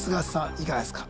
いかがですか？